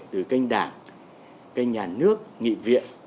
từ kênh đảng kênh nhà nước nghị viện